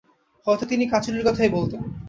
হয়তো তিনি কাচুলীর কথাই বলতেন।